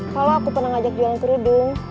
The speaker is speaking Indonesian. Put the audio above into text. kalau aku pernah ngajak jualan kerudung